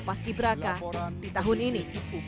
paskiberaka di tahun ini